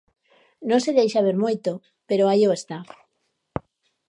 Non se deixa ver moito, pero aí o está.